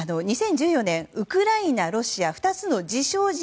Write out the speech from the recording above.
２０１４年、ウクライナ、ロシア２つの自称